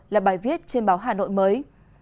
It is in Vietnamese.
là bài viết trên báo hà nội mới